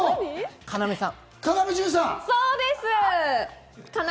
要さん。